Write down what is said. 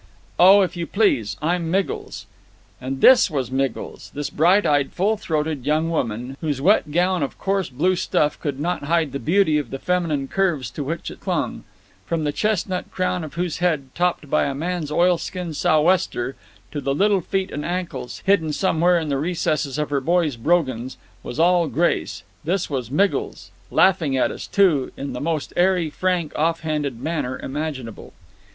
"Oh, if you please, I'm Miggles!" And this was Miggles! this bright eyed, full throated young woman, whose wet gown of coarse blue stuff could not hide the beauty of the feminine curves to which it clung; from the chestnut crown of whose head, topped by a man's oilskin sou'wester, to the little feet and ankles, hidden somewhere in the recesses of her boy's brogans, all was grace this was Miggles, laughing at us, too, in the most airy, frank, offhand manner imaginable.